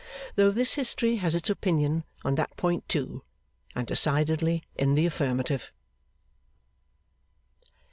Though this history has its opinion on that point too, and decidedly in the affirmative.